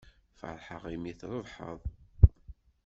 Ferḥeɣ imi trebḥeḍ.